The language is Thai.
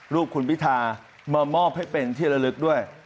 รูปคุณพิธามามอบให้เป็นที่ระลึกด้วย